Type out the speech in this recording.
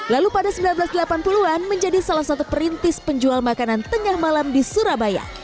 lalu pada seribu sembilan ratus delapan puluh an menjadi salah satu perintis penjual makanan tengah malam di surabaya